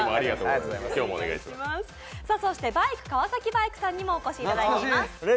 そしてバイク川崎バイクさんにもお越しいただいてます。